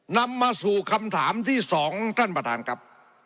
นำมาสู่คำถามที่สองท่านประธานครับ